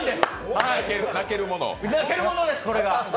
泣けるものです、これが。